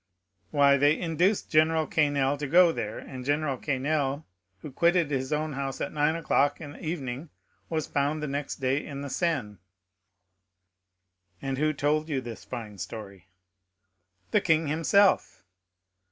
"Why, they induced General Quesnel to go there, and General Quesnel, who quitted his own house at nine o'clock in the evening, was found the next day in the Seine." 0151m "And who told you this fine story?" "The king himself."